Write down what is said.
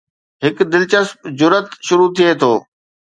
هڪ دلچسپ جرئت شروع ٿئي ٿو